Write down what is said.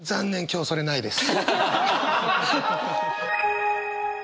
今日それないです。